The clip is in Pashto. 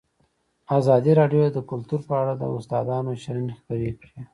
ازادي راډیو د کلتور په اړه د استادانو شننې خپرې کړي.